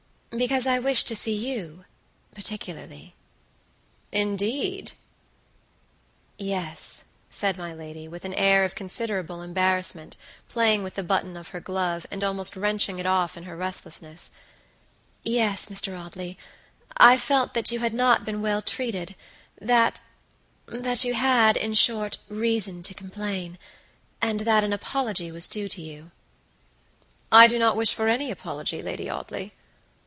"Because I wished to see youparticularly." "Indeed!" "Yes," said my lady, with an air of considerable embarrassment, playing with the button of her glove, and almost wrenching it off in her restlessness"yes, Mr. Audley, I felt that you had not been well treated; thatthat you had, in short, reason to complain; and that an apology was due to you." "I do not wish for any apology, Lady Audley."